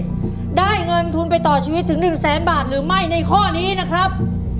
จะได้เงินทุนไปต่อชีวิตถึง๑แสนบาทหรือไม่ในข้อนี้นะครับ